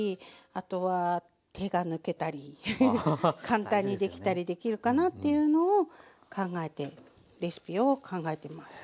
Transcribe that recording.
簡単にできたりできるかなっていうのを考えてレシピを考えてます。